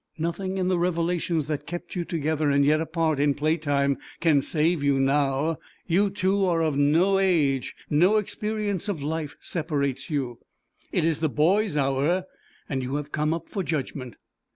Nothing in the revelations that kept you together and yet apart in play time can save you now; you two are of no age, no experience of life separates you; it is the boy's hour, and you have come up for judgment.